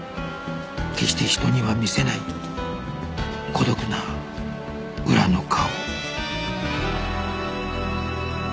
決して人には見せない孤独な裏の顔